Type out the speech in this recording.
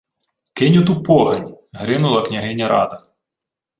— Кинь оту погань! — гримнула княгиня Рада.